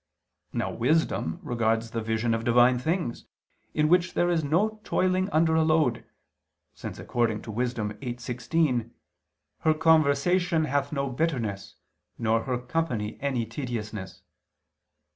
Now wisdom regards the vision of Divine things, in which there is no toiling under a load, since according to Wis. 8:16, "her conversation hath no bitterness, nor her company any tediousness."